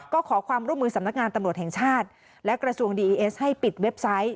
ก็ขอความร่วมมือสำนักงานตำรวจแห่งชาติและกระทรวงดีอีเอสให้ปิดเว็บไซต์